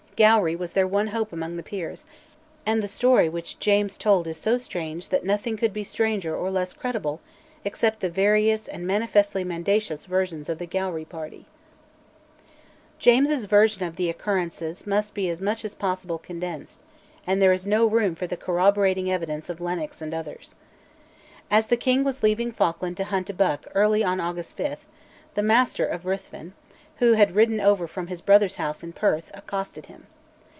Gowrie was their one hope among the peers, and the story which James told is so strange that nothing could be stranger or less credible except the various and manifestly mendacious versions of the Gowrie party. James's version of the occurrences must be as much as possible condensed, and there is no room for the corroborating evidence of Lennox and others. As the king was leaving Falkland to hunt a buck early on August 5, the Master of Ruthven, who had ridden over from his brother's house in Perth, accosted him.